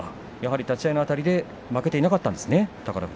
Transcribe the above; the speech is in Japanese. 立ち合いのあたりで負けていなかったですね